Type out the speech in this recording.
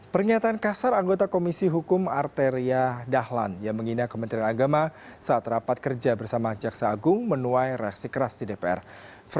pernyataan kasar anggota komisi hukum arteria dahlan yang mengina kementerian agama saat rapat kerja bersama jaksa agung menuai reaksi keras di dpr